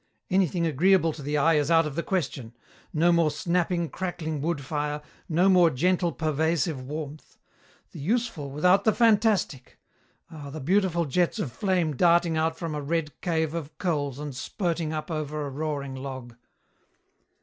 Anything agreeable to the eye is out of the question. No more snapping, crackling wood fire, no more gentle, pervasive warmth. The useful without the fantastic. Ah, the beautiful jets of flame darting out from a red cave of coals and spurting up over a roaring log."